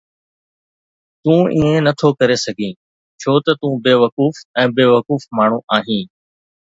تون ائين نٿو ڪري سگهين ڇو ته تون بيوقوف ۽ بيوقوف ماڻهو آهين